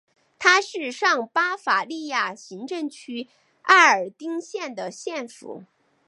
它是上巴伐利亚行政区埃尔丁县的县府。